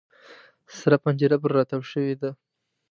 سره پنجره پر را تاو شوې ده.